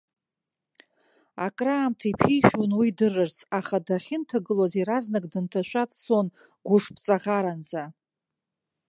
Акраамҭа иԥишәон уи дырырц, аха дахьынҭагылоз иаразнак дынҭашәа дцон гәышԥҵаӷаранӡа.